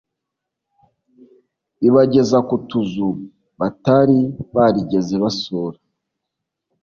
ibageza ku tuzu batari barigeze basura